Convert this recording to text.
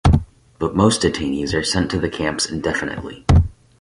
But most detainees are sent to the camps indefinitely.